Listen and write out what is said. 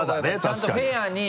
確かに。